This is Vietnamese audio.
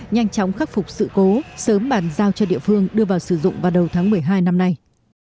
nhanh chóng khắc phục sự cố sớm bàn giao cho địa phương đưa vào sử dụng vào đầu tháng một mươi hai năm nay